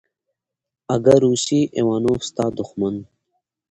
اگه روسی ايوانوف ستا دښمن.